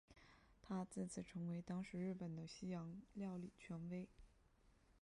他自此成为当时日本的西洋料理权威。